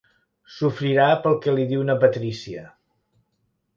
Sofrirà pel que li diu na Patrícia.